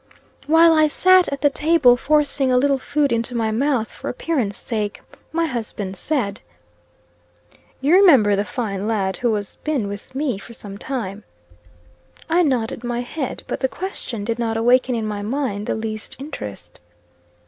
While I sat at the table forcing a little food into my mouth for appearance sake, my husband said: "You remember the fine lad who has been with me for some time?" I nodded my head, but the question did not awaken in my mind the least interest.